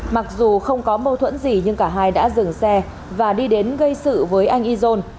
mặc dù không có mâu thuẫn gì nhưng cả hai đã dừng xe và đi đến gây sự với anh izon